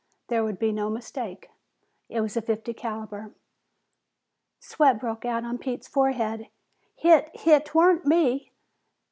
There could be no mistake; it was fifty caliber. Sweat broke out on Pete's forehead. "Hit Hit 'Twarn't me!"